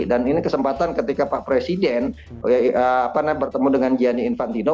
ini kesempatan ketika pak presiden bertemu dengan gianni infantino